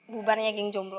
bubarnya geng jomblo